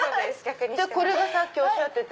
これがさっきおっしゃってた。